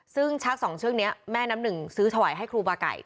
ซึ่งชักสองเชือกนี้แม่น้ำหนึ่งซื้อถวายให้ครูบาไก่